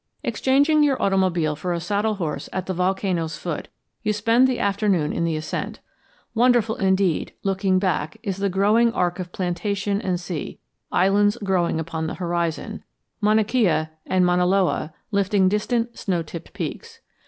Exchanging your automobile for a saddle horse at the volcano's foot, you spend the afternoon in the ascent. Wonderful indeed, looking back, is the growing arc of plantation and sea, islands growing upon the horizon, Mauna Kea and Mauna Loa lifting distant snow tipped peaks.